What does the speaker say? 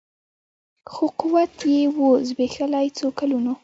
خو قوت یې وو زبېښلی څو کلونو